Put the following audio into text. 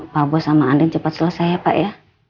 pak bos sama andin cepat selesai ya pak ya